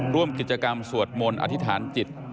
ร่วมกิจกรรมสวดมนต์อธิษฐานจิต